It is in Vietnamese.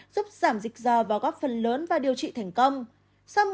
giúp giảm dịch dò vào góc phần lớn và điều trị thành công